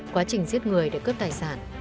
quá trình giết người để cướp tài sản